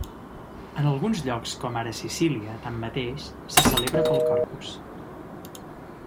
En alguns llocs com ara Sicília, tanmateix, se celebra pel Corpus.